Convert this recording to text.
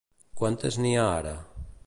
Quantes n'hi ha ara?